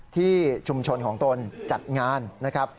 ที่ชุมชนของตนจัดงานนะครับ